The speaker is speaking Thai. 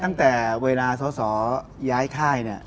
ตั้งแต่เวลาสอสอย้ายค่ายเนี่ย